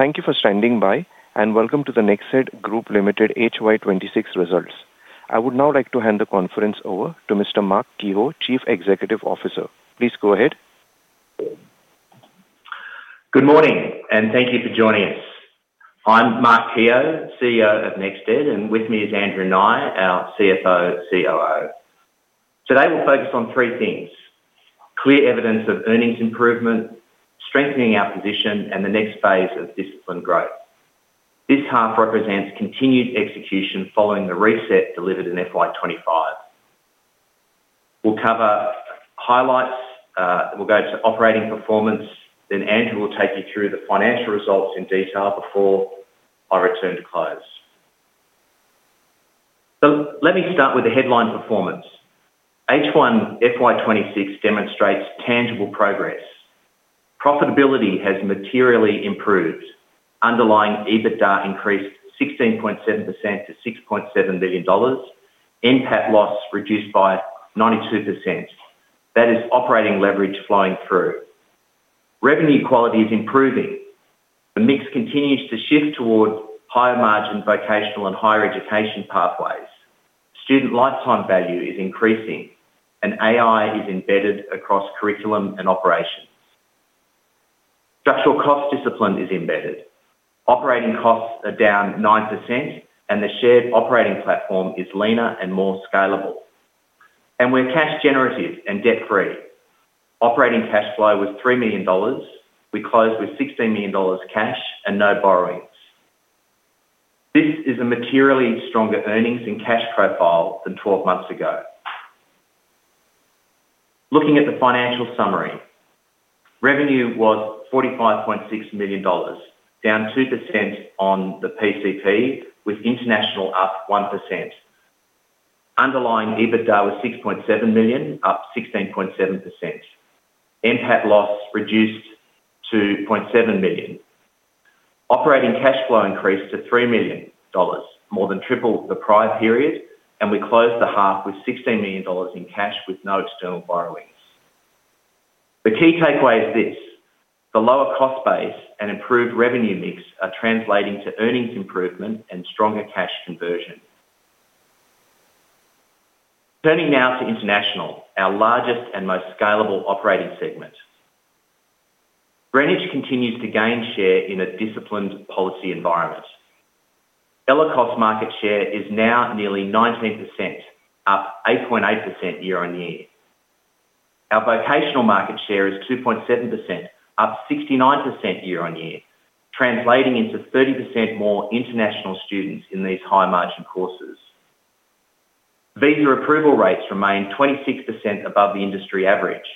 Thank you for standing by, and welcome to the NextEd Group Limited H1 2026 Results. I would now like to hand the conference over to Mr. Mark Kehoe, Chief Executive Officer. Please go ahead. Good morning. Thank you for joining us. I'm Mark Kehoe, CEO of NextEd, and with me is Andrew Nye, our CFO, COO. Today, we'll focus on three things: clear evidence of earnings improvement, strengthening our position, and the next phase of disciplined growth. This half represents continued execution following the reset delivered in FY 2025. We'll cover highlights, we'll go to operating performance, then Andrew will take you through the financial results in detail before I return to close. Let me start with the headline performance. H1 FY 2026 demonstrates tangible progress. Profitability has materially improved. Underlying EBITDA increased 16.7% to 6.7 billion dollars. NPAT loss reduced by 92%. That is operating leverage flowing through. Revenue quality is improving. The mix continues to shift towards higher-margin vocational and higher education pathways. Student lifetime value is increasing, and AI is embedded across curriculum and operations. Structural cost discipline is embedded. Operating costs are down 9%, and the shared operating platform is leaner and more scalable. We're cash generative and debt-free. Operating cash flow was 3 million dollars. We closed with 16 million dollars cash and no borrowings. This is a materially stronger earnings and cash profile than 12 months ago. Looking at the financial summary, revenue was 45.6 million dollars, down 2% on the PCP, with international up 1%. Underlying EBITDA was 6.7 million, up 16.7%. NPAT loss reduced to 0.7 million. Operating cash flow increased to 3 million dollars, more than triple the prior period, and we closed the half with 16 million dollars in cash with no external borrowings. The key takeaway is this: the lower cost base and improved revenue mix are translating to earnings improvement and stronger cash conversion. Turning now to international, our largest and most scalable operating segment. Greenwich continues to gain share in a disciplined policy environment. ELICOS market share is now nearly 19%, up 8.8% year-on-year. Our vocational market share is 2.7%, up 69% year-on-year, translating into 30% more international students in these high-margin courses. Visa approval rates remain 26% above the industry average,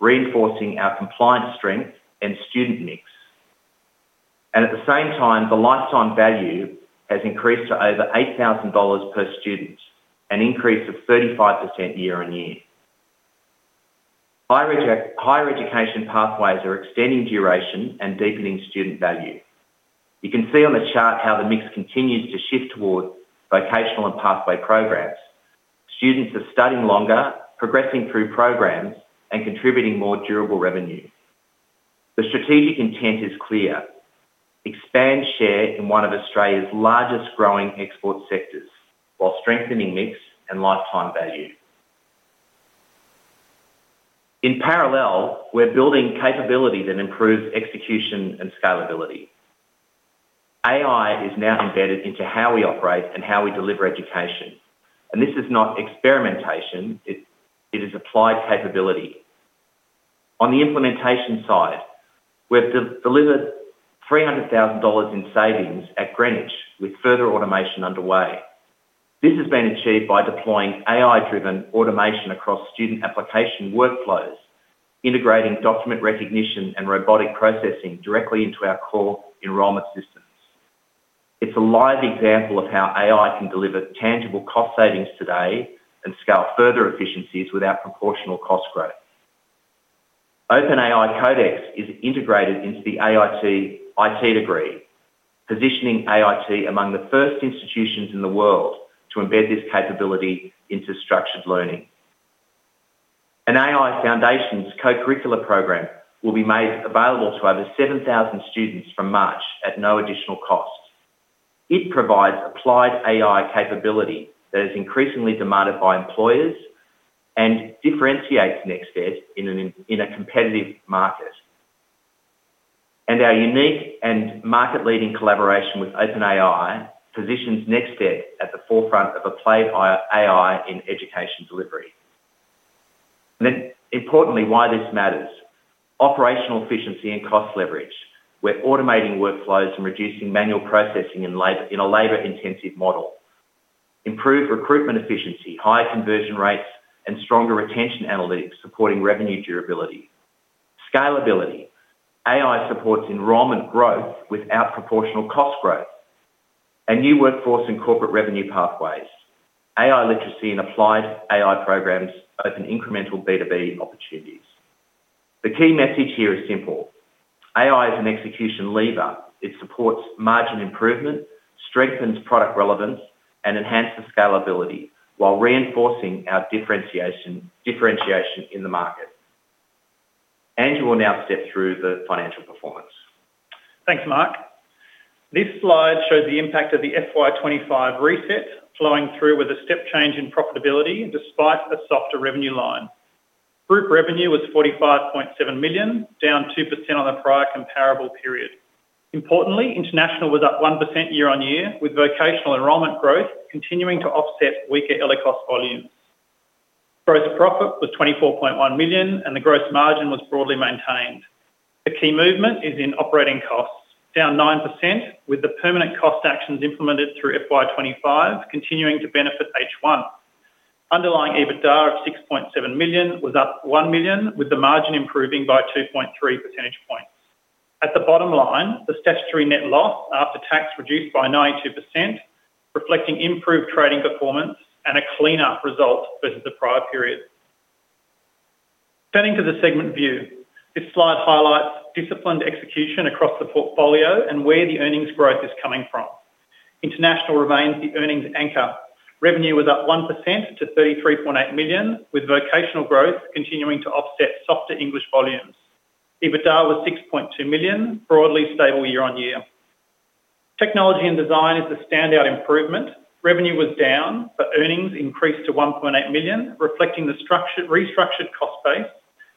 reinforcing our compliance strength and student mix. At the same time, the lifetime value has increased to over 8,000 dollars per student, an increase of 35% year-on-year. Higher education pathways are extending duration and deepening student value. You can see on the chart how the mix continues to shift towards vocational and pathway programs. Students are studying longer, progressing through programs, and contributing more durable revenue. The strategic intent is clear: expand share in one of Australia's largest growing export sectors while strengthening mix and lifetime value. In parallel, we're building capabilities that improve execution and scalability. AI is now embedded into how we operate and how we deliver education. This is not experimentation, it is applied capability. On the implementation side, we've delivered 300,000 dollars in savings at Greenwich, with further automation underway. This has been achieved by deploying AI-driven automation across student application workflows, integrating document recognition and robotic processing directly into our core enrollment systems. It's a live example of how AI can deliver tangible cost savings today and scale further efficiencies without proportional cost growth. OpenAI Codex is integrated into the AIT IT degree, positioning AIT among the first institutions in the world to embed this capability into structured learning. An AI Foundations co-curricular program will be made available to over 7,000 students from March at no additional cost. It provides applied AI capability that is increasingly demanded by employers and differentiates NextEd in a competitive market. Our unique and market-leading collaboration with OpenAI positions NextEd at the forefront of applied AI in education delivery. Importantly, why this matters. Operational efficiency and cost leverage. We're automating workflows and reducing manual processing in a labor-intensive model. Improved recruitment efficiency, higher conversion rates, and stronger retention analytics supporting revenue durability. Scalability. AI supports enrollment growth without proportional cost growth. New workforce and corporate revenue pathways. AI literacy and applied AI programs open incremental B2B opportunities. The key message here is simple: AI is an execution lever. It supports margin improvement, strengthens product relevance, and enhances scalability while reinforcing our differentiation in the market. Andrew will now step through the financial performance. Thanks, Mark. This slide shows the impact of the FY 2025 reset, flowing through with a step change in profitability despite a softer revenue line. Group revenue was 45.7 million, down 2% on the prior comparable period. Importantly, international was up 1% year-on-year, with vocational enrollment growth continuing to offset weaker early childhood volumes. Gross profit was 24.1 million, and the gross margin was broadly maintained. The key movement is in operating costs, down 9%, with the permanent cost actions implemented through FY 2025 continuing to benefit H1. Underlying EBITDA of 6.7 million was up 1 million, with the margin improving by 2.3 percentage points. At the bottom line, the statutory net loss after tax reduced by 92%, reflecting improved trading performance and a cleaner result versus the prior period. Turning to the segment view, this slide highlights disciplined execution across the portfolio and where the earnings growth is coming from. International remains the earnings anchor. Revenue was up 1% to 33.8 million, with vocational growth continuing to offset softer English volumes. EBITDA was 6.2 million, broadly stable year-on-year. Technology and design is the standout improvement. Revenue was down, but earnings increased to 1.8 million, reflecting the restructured cost base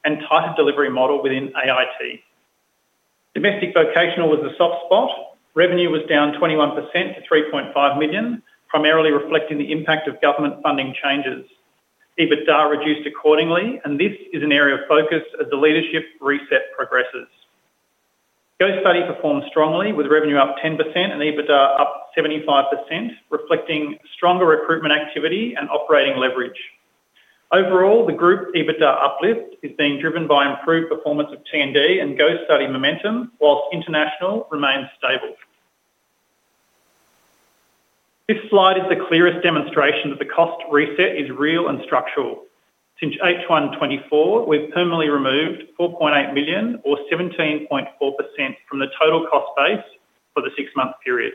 and tighter delivery model within AIT. Domestic vocational was a soft spot. Revenue was down 21% to 3.5 million, primarily reflecting the impact of government funding changes. EBITDA reduced accordingly, and this is an area of focus as the leadership reset progresses. Go Study performed strongly, with revenue up 10% and EBITDA up 75%, reflecting stronger recruitment activity and operating leverage. Overall, the group's EBITDA uplift is being driven by improved performance of T&D and Go Study momentum, whilst international remains stable. This slide is the clearest demonstration that the cost reset is real and structural. Since H1 2024, we've permanently removed 4.8 million, or 17.4%, from the total cost base for the six month period.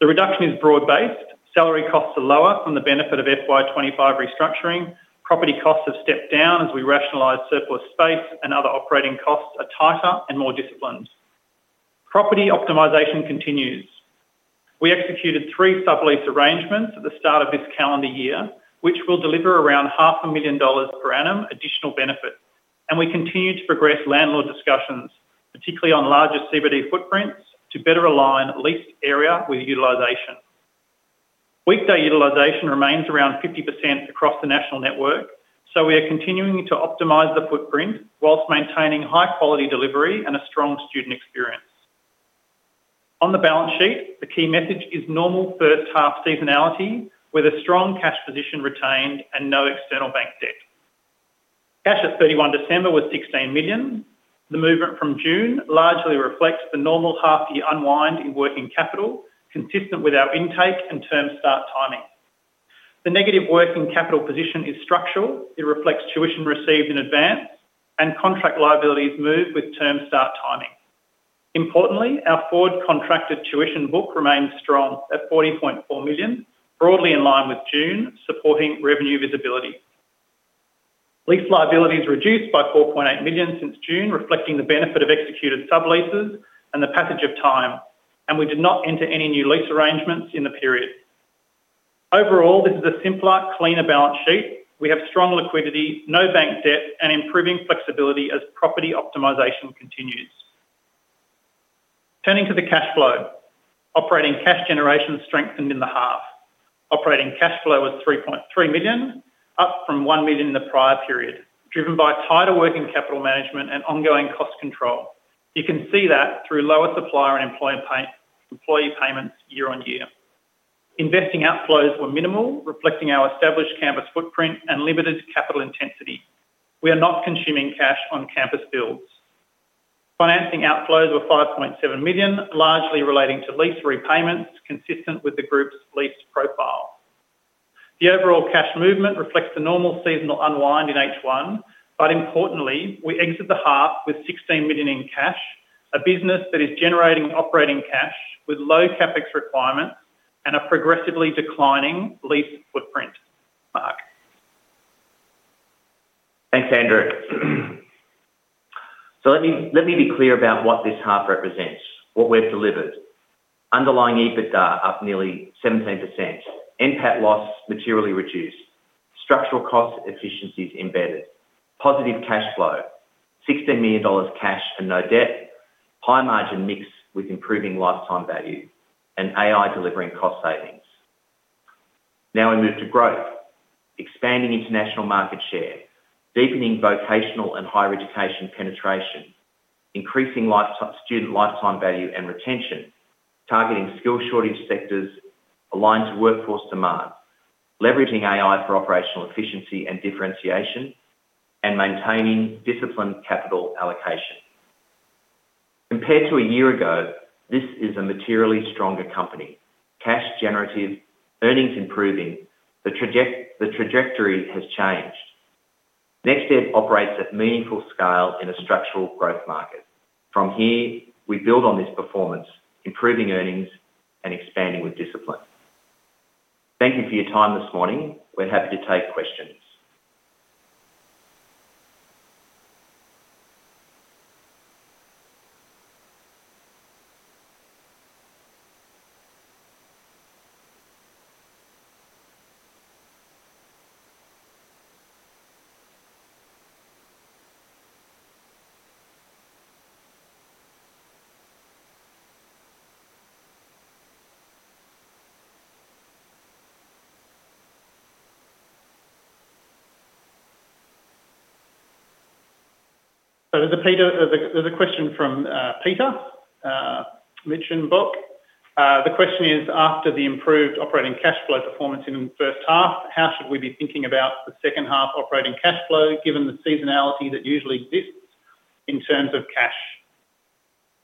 The reduction is broad-based. Salary costs are lower from the benefit of FY 2025 restructuring. Property costs have stepped down as we rationalize surplus space. Other operating costs are tighter and more disciplined. Property optimization continues. We executed three sublease arrangements at the start of this calendar year, which will deliver around half a million dollars per annum additional benefit. We continue to progress landlord discussions, particularly on larger CBD footprints, to better align leased area with utilization. Weekday utilization remains around 50% across the national network, we are continuing to optimize the footprint whilst maintaining high-quality delivery and a strong student experience. On the balance sheet, the key message is normal first half seasonality, with a strong cash position retained and no external bank debt. Cash at 31 December was 16 million. The movement from June largely reflects the normal half-year unwind in working capital, consistent with our intake and term start timing. The negative working capital position is structural. It reflects tuition received in advance and contract liabilities move with term start timing. Importantly, our forward contracted tuition book remains strong at 14.4 million, broadly in line with June, supporting revenue visibility. Lease liabilities reduced by 4.8 million since June, reflecting the benefit of executed subleases and the passage of time. We did not enter any new lease arrangements in the period. Overall, this is a simpler, cleaner balance sheet. We have strong liquidity, no bank debt, and improving flexibility as property optimization continues. Turning to the cash flow. Operating cash generation strengthened in the half. Operating cash flow was 3.3 million, up from 1 million in the prior period, driven by tighter working capital management and ongoing cost control. You can see that through lower supplier and employee pay, employee payments year-on-year. Investing outflows were minimal, reflecting our established campus footprint and limited capital intensity. We are not consuming cash on-campus builds. Financing outflows were 5.7 million, largely relating to lease repayments consistent with the group's lease profile. The overall cash movement reflects the normal seasonal unwind in H1, but importantly, we exit the half with 16 million in cash, a business that is generating operating cash with low CapEx requirements and a progressively declining lease footprint. Mark? Thanks, Andrew. Let me be clear about what this half represents, what we've delivered. Underlying EBITDA up nearly 17%, NPAT loss materially reduced, structural cost efficiencies embedded, positive cash flow, 16 million dollars cash and no debt, high margin mix with improving lifetime value, and AI delivering cost savings. Now we move to growth, expanding international market share, deepening vocational and higher education penetration, increasing student lifetime value and retention, targeting skill shortage sectors aligned to workforce demand, leveraging AI for operational efficiency and differentiation and maintaining disciplined capital allocation. Compared to a year ago, this is a materially stronger company, cash generative, earnings improving. The trajectory has changed. NextEd operates at meaningful scale in a structural growth market. From here, we build on this performance, improving earnings and expanding with discipline. Thank you for your time this morning. We're happy to take questions. There's a Peter, there's a question from Peter, Mitch and Buck. The question is: After the improved operating cash flow performance in the first half, how should we be thinking about the second half operating cash flow, given the seasonality that usually exists in terms of cash?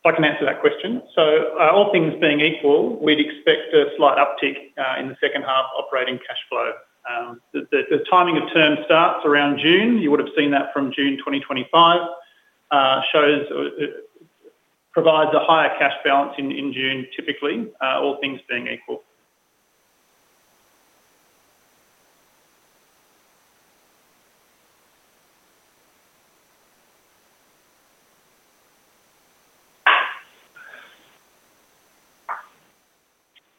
I can answer that question. All things being equal, we'd expect a slight uptick in the second half operating cash flow. The timing of term starts around June. You would have seen that from June 2025, shows or provides a higher cash balance in June, typically, all things being equal.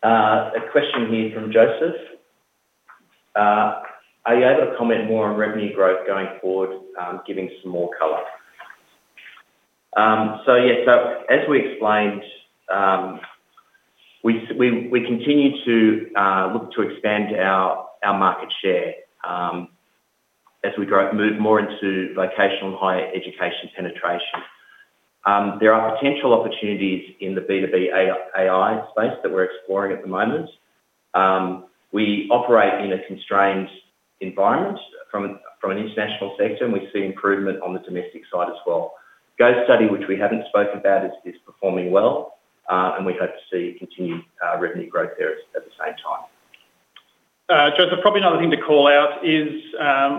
A question here from Joseph. Are you able to comment more on revenue growth going forward, giving some more color? As we explained, we continue to look to expand our market share as we move more into vocational and higher education penetration. There are potential opportunities in the B2B AI space that we're exploring at the moment. We operate in a constrained environment from an international sector, and we see improvement on the domestic side as well. Go Study, which we haven't spoken about, is performing well, and we hope to see continued revenue growth there at the same time. Joseph, probably another thing to call out is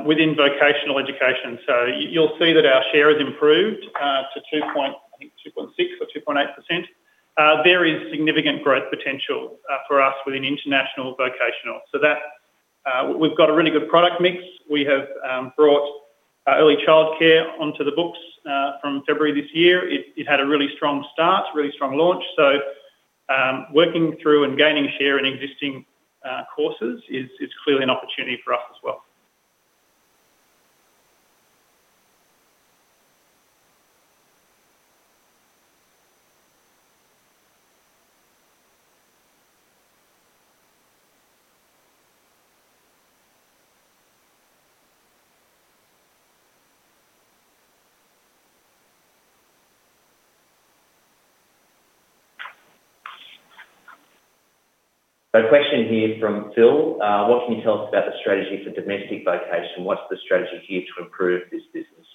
within vocational education. You, you'll see that our share has improved to I think 2.6 or 2.8%. There is significant growth potential for us within international vocational. We've got a really good product mix. We have brought early childcare onto the books from February this year. It had a really strong start, really strong launch. Working through and gaining share in existing courses is clearly an opportunity for us as well. A question here from Phil. What can you tell us about the strategy for domestic vocation? What's the strategy here to improve this business?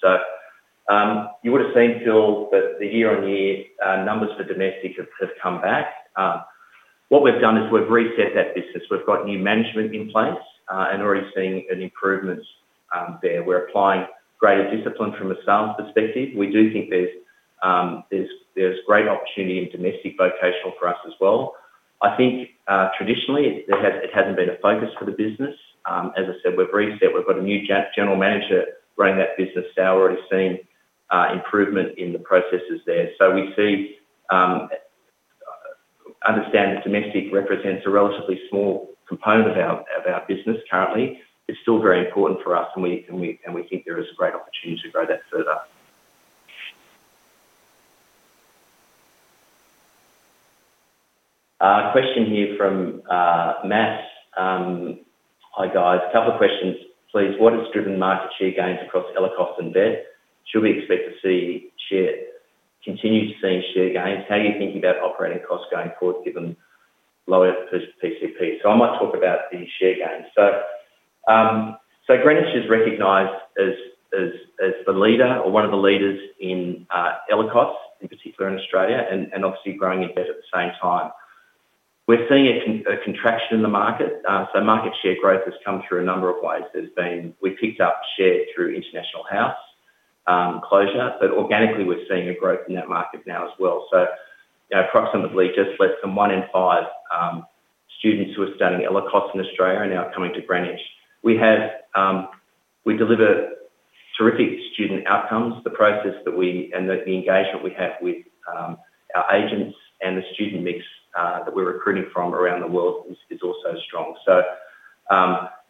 You would've seen, Phil, that the year-on-year numbers for domestic have come back. What we've done is we've reset that business. We've got new management in place and already seeing an improvement there. We're applying greater discipline from a sales perspective. We do think there's great opportunity in domestic vocational for us as well. I think, traditionally, it hasn't been a focus for the business. As I said, we've reset. We've got a new general manager running that business. I already seen improvement in the processes there. We see understand that domestic represents a relatively small component of our business currently. It's still very important for us, and we think there is a great opportunity to grow that further. A question here from Matt. Hi, guys. A couple of questions, please. What has driven market share gains across ELICOS and VET? Should we expect to see continue to see share gains? How are you thinking about operating costs going forward, given lower per PCP? I might talk about the share gains. Greenwich is recognized as the leader, or one of the leaders in ELICOS, in particular in Australia, and obviously growing in VET at the same time. We're seeing a contraction in the market. Market share growth has come through a number of ways. There's been. We picked up share through International House Sydney closure, but organically, we're seeing a growth in that market now as well. You know, approximately, just less than one in five students who are studying ELICOS in Australia are now coming to Greenwich College. We have, we deliver terrific student outcomes. The process that we, and the engagement we have with our agents and the student mix that we're recruiting from around the world is also strong.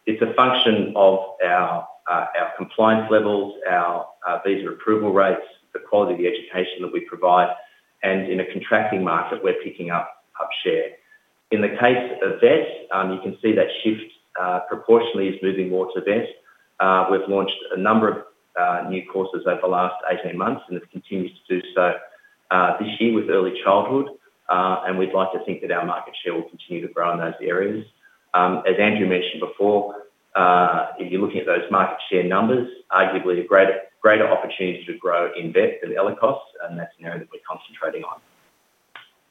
It's a function of our compliance levels, our visa approval rates, the quality of the education that we provide, and in a contracting market, we're picking up share. In the case of VET, you can see that shift proportionally is moving more to VET. We've launched a number of new courses over the last 18 months, and it continues to do so this year with early childhood, and we'd like to think that our market share will continue to grow in those areas. As Andrew mentioned before, if you're looking at those market share numbers, arguably a greater opportunity to grow in VET than ELICOS, and that's an area that we're concentrating on.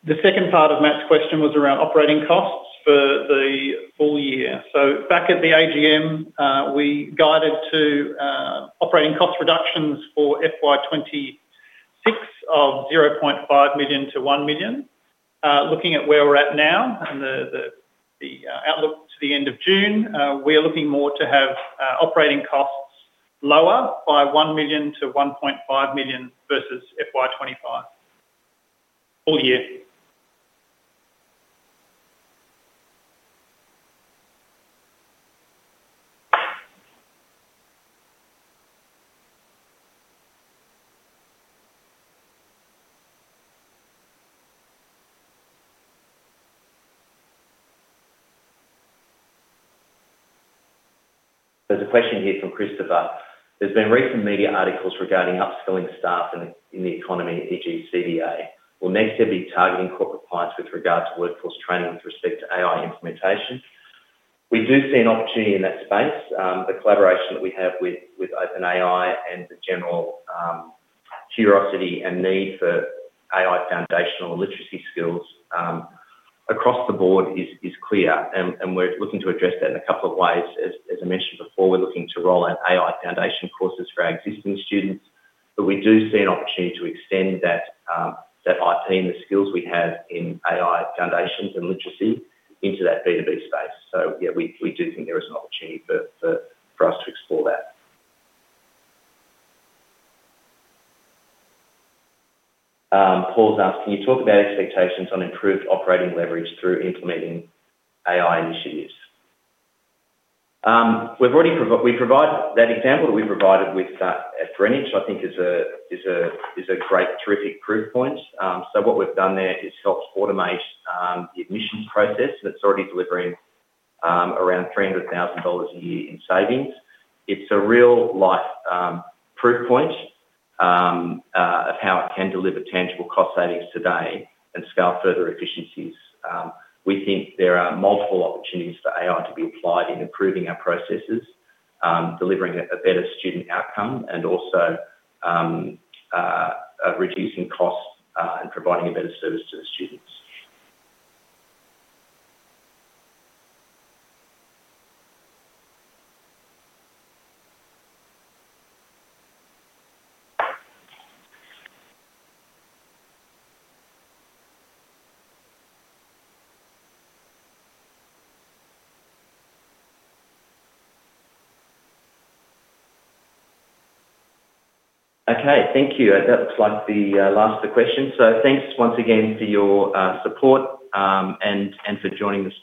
The second part of Matt's question was around operating costs for the full year. Back at the AGM, we guided to operating cost reductions of 0.5 million-1 million. Looking at where we're at now and the outlook to the end of June, we're looking more to have operating costs lower by 1 million-1.5 million versus FY 2025, full year. There's a question here from Christopher: There's been recent media articles regarding upskilling staff in the economy, e.g., CBA. Will NextEd be targeting corporate clients with regards to workforce training with respect to AI implementation? We do see an opportunity in that space. The collaboration that we have with OpenAI and the general curiosity and need for AI foundational literacy skills across the board is clear, and we're looking to address that in a couple of ways. As I mentioned before, we're looking to roll out AI foundation courses for our existing students, but we do see an opportunity to extend that IP and the skills we have in AI Foundations and literacy into that B2B space. Yeah, we do think there is an opportunity for us to explore that. Paul's asked: Can you talk about expectations on improved operating leverage through implementing AI initiatives? We provide that example that we provided with Greenwich, I think is a great, terrific proof point. So what we've done there is helped automate the admissions process, and it's already delivering around 300,000 dollars a year in savings. It's a real-life proof point of how it can deliver tangible cost savings today and scale further efficiencies. We think there are multiple opportunities for AI to be applied in improving our processes, delivering a better student outcome, and also reducing costs, and providing a better service to the students. Thank you. That looks like the last question. Thanks once again for your support, and for joining us today.